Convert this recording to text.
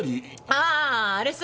あああれさ